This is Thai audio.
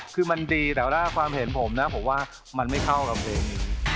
คือมันดีแต่ว่าความเห็นผมนะผมว่ามันไม่เข้ากับเพลงนี้